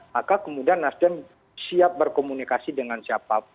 maka kemudian nasdem siap berkomunikasi dengan siapapun